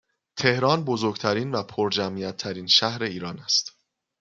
تهران بزرگترین و پرجمعیت ترین شهر ایران است